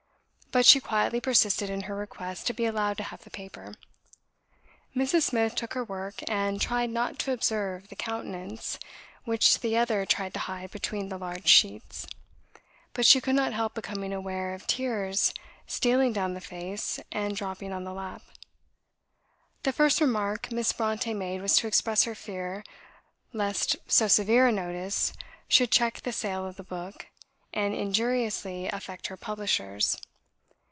But she quietly persisted in her request to be allowed to have the paper. Mrs. Smith took her work, and tried not to observe the countenance, which the other tried to hide between the large sheets; but she could not help becoming aware of tears stealing down the face and dropping on the lap. The first remark Miss Brontë made was to express her fear lest so severe a notice should check the sale of the book, and injuriously affect her publishers.